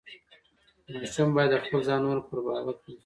ماشوم باید د خپل ځان او نورو پر باور پوه شي.